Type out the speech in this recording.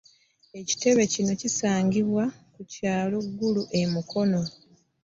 Ekitebe kino kisangibwa ku kyalo Ggulu e Mukono.